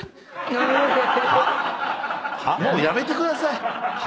もう辞めてください。